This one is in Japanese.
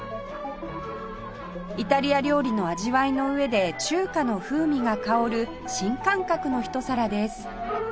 イタリア料理の味わいの上で中華の風味が香る新感覚の一皿です